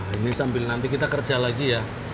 ini sambil nanti kita kerja lagi ya